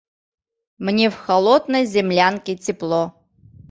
Мне в холодной землянке тепло